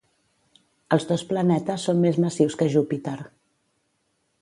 Els dos planetes són més massius que Júpiter.